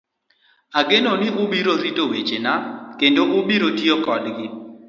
Ageno ni ubiro rito wechena kendo tiyo kodgi.